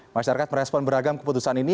masyarakat merespon beragam keputusan ini